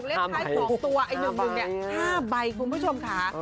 ถูกเล่นคล้าย๒ตัวไอ้หนึ่งนี่๕ใบคุณผู้ชมค่ะ